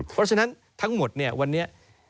เพราะฉะนั้นทั้งหมดเนี่ยวันนี้